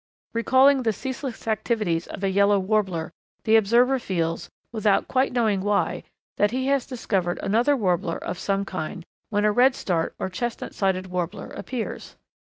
Recalling the ceaseless activities of a Yellow Warbler the observer feels, without quite knowing why, that he has discovered another Warbler of some kind when a Redstart or Chestnut sided Warbler appears.